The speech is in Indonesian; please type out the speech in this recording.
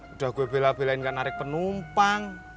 udah gue bela belain kan narik penumpang